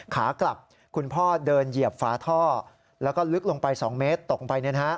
ขากลับคุณพ่อเดินเหยียบฝาท่อแล้วก็ลึกลงไป๒เมตรตกลงไป